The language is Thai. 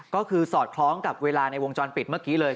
ก็คือสอดคล้องกับเวลาในวงจรปิดเมื่อกี้เลย